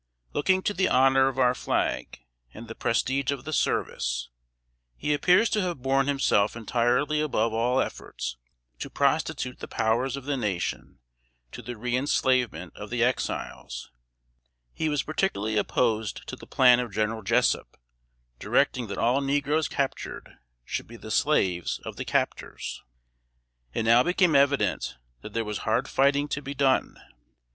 Looking to the honor of our flag and the prestige of the service, he appears to have borne himself entirely above all efforts to prostitute the powers of the nation to the reënslavement of the Exiles. He was particularly opposed to the plan of General Jessup, directing that all negroes captured should be the slaves of the captors. It now became evident that there was hard fighting to be done.